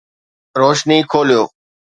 روشني کوليو